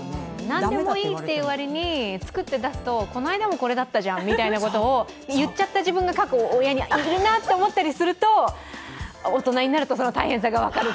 何でもいいという割に、作って出すとこの間もこれだったじゃんみたいなことを言っちゃった自分が過去いるなと思ったりすると、大人になると、だめだったなと。